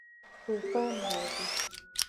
توپان راځي